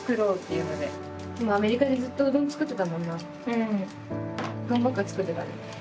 うどんばっか作ってたね。